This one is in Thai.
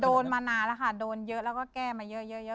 โดนมานานแล้วค่ะโดนเยอะแล้วก็แก้มาเยอะ